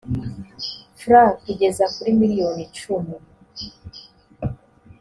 frw kugeza kuri miliyoni icumi